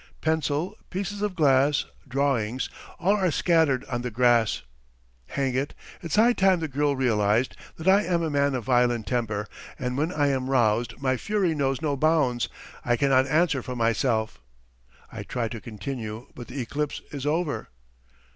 Pencil, pieces of glass, drawings all are scattered on the grass. Hang it! It's high time the girl realized that I am a man of violent temper, and when I am roused my fury knows no bounds, I cannot answer for myself. I try to continue, but the eclipse is over.